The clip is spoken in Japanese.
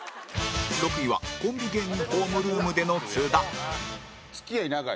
６位は、コンビ芸人ホームルームでの津田付き合い